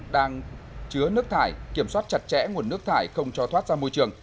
đang chứa nước thải kiểm soát chặt chẽ nguồn nước thải không cho thoát ra môi trường